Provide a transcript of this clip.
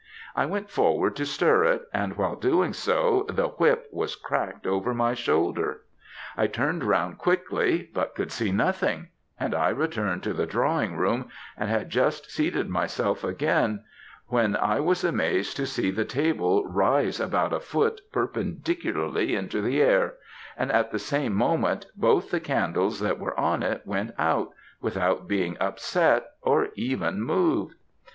I went forward to stir it, and while doing so, the whip was cracked over my shoulder. I turned round quickly, but could see nothing, and I returned to the drawing room, and had just seated myself again, when I was amazed to see the table rise about a foot perpendicularly into the air, and at the same moment, both the candles that were on it went out, without being upset or even moved.